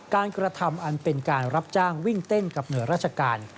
กระทำอันเป็นการรับจ้างวิ่งเต้นกับเหนือราชการ